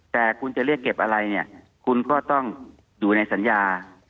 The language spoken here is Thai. แต่คุณจะเรียกเก็บอะไรเนี่ยคุณก็ต้องอยู่ในสัญญา